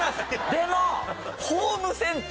でも。